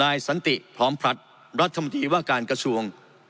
นายสันติพร้อมพลัชรัฐพิวาคารกระทรวง